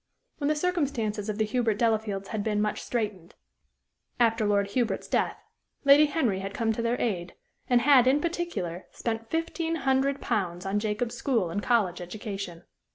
When the circumstances of the Hubert Delafields had been much straitened, after Lord Hubert's death, Lady Henry had come to their aid, and had, in particular, spent fifteen hundred pounds on Jacob's school and college education.